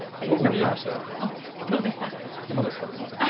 いや、まだ使ってません。